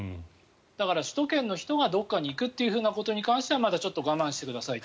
だから首都圏の人がどこかに行くことに関してはまだちょっと我慢してくださいと。